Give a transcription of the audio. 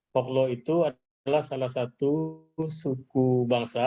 poklo itu adalah salah satu suku bangsa